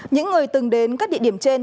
những người từng đến các địa điểm trên